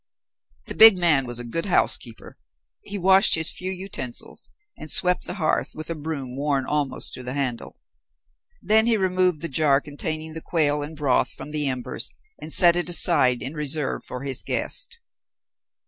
The big man was a good housekeeper. He washed his few utensils and swept the hearth with a broom worn almost to the handle. Then he removed the jar containing the quail and broth from the embers, and set it aside in reserve for his guest.